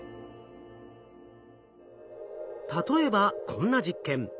例えばこんな実験。